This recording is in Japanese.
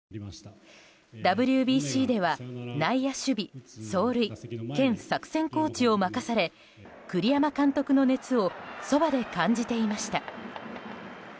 ＷＢＣでは内野守備・走塁兼作戦コーチを任され栗山監督の熱をそばで感じていました。